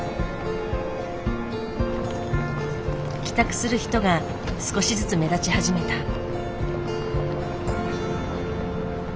帰宅する人が少しずつ目立ち始めた。